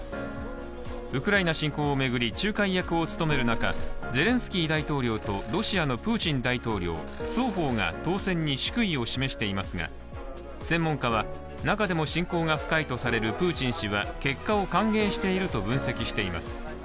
ウクライナ侵攻を巡り仲介役を務める中、ゼレンスキー大統領とロシアのプーチン大統領双方が当選に祝意を示していますが専門家は、中でも親交が深いとされるプーチン氏は結果を歓迎していると分析しています。